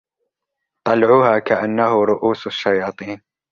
طلعها كأنه رءوس الشياطين